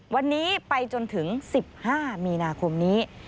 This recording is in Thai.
วันนี้ไปจนถึง๑๕มีนาคมนี้